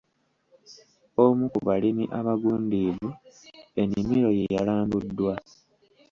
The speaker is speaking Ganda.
Omu ku balimi abagundiivu ennimiro ye yalambuddwa.